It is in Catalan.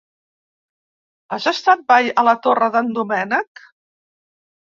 Has estat mai a la Torre d'en Doménec?